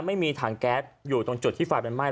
ไม่มีถังแก๊สอยู่ตรงจุดที่ไฟมันไหม้